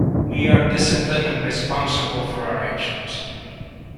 We are discipline and responsible for our actions.